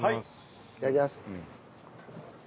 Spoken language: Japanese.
いただきます。